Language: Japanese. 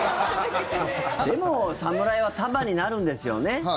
でも、侍は束になるんですよね。